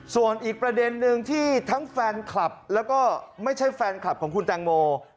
ส่วนอีกประเด็นนึงที่ทั้งแฟนคลับแล้วก็ไม่ใช่แฟนคลับของคุณแตงโม